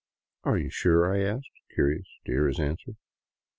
"Are you sure?" I asked, curious to hear his answer.